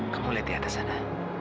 kamu lihat di atas sana